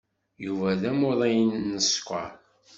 Yuba d amuḍin n sskeṛ.